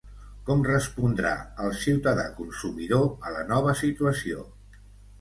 Com respondrà el ciutadà-consumidor a la nova situació?